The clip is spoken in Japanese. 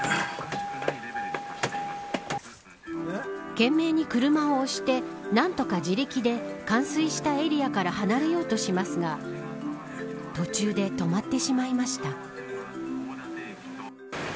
懸命に車を押して何とか自力で冠水したエリアから離れようとしますが途中で止まってしまいました。